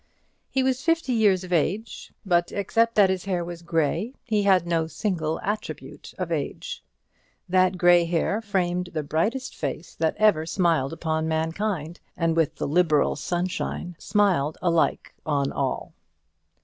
He was fifty years of age; but, except that his hair was grey, he had no single attribute of age. That grey hair framed the brightest face that ever smiled upon mankind, and with the liberal sunshine smiled alike on all.